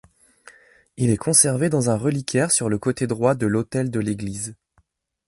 Il est conservé dans un reliquaire sur le côté droit de l'autel de l'église.